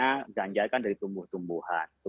kita akan menggunakan ganja dari tumbuh tumbuhan